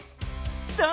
そう。